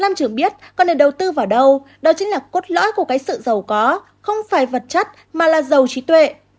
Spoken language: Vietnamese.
lâm trường biết còn để đầu tư vào đâu đó chính là cốt lõi của cái sự giàu có không phải vật chất mà là giàu trí tuệ